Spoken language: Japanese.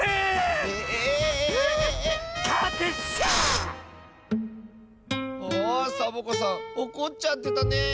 あサボ子さんおこっちゃってたね。